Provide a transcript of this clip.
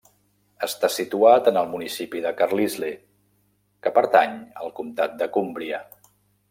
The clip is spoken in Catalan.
Està situat en el municipi de Carlisle, que pertany al comtat de Cúmbria.